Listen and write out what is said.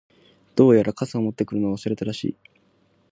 •どうやら、傘を持ってくるのを忘れたらしい。